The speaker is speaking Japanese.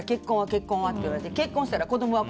結婚は？って言われて結婚したら子供は？